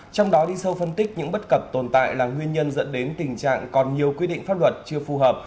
trong đó đi sâu phân tích những bất cập tồn tại là nguyên nhân dẫn đến tình trạng còn nhiều quy định pháp luật chưa phù hợp